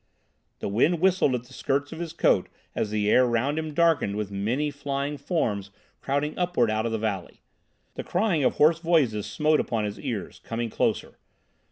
The wind whistled at the skirts of his coat as the air round him darkened with many flying forms crowding upwards out of the valley. The crying of hoarse voices smote upon his ears, coming closer.